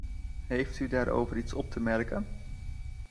Heeft u daarover iets op te merken?